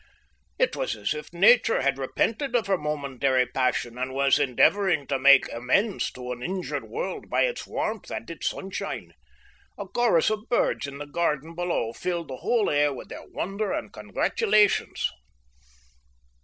It was as if Nature had repented of her momentary passion and was endeavouring to make amends to an injured world by its warmth and its sunshine. A chorus of birds in the garden below filled the whole air with their wonder and congratulations.